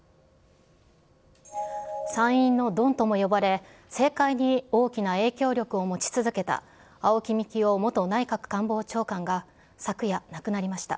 参院のドンとも呼ばれ、政界に大きな影響力を持ち続けた青木幹雄元内閣官房長官が昨夜、亡くなりました。